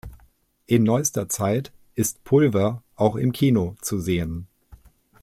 In neuester Zeit ist Pulver auch im Kino zu sehen.